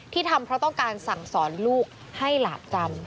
ทำเพราะต้องการสั่งสอนลูกให้หลาบจำ